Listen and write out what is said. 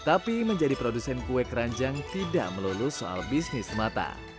tapi menjadi produsen kue keranjang tidak melulus soal bisnis mata